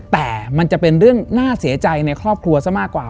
แต่มันจะเป็นเรื่องน่าเสียใจในครอบครัวซะมากกว่า